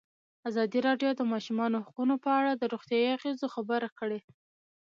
ازادي راډیو د د ماشومانو حقونه په اړه د روغتیایي اغېزو خبره کړې.